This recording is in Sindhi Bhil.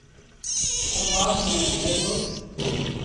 ٿرمآش ميݩ هڻي دو۔